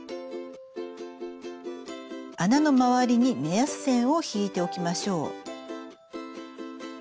穴の周りに目安線を引いておきましょう。